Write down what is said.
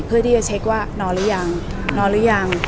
เพื่อที่จะเช็คว่านอนหรือยังนอนหรือยัง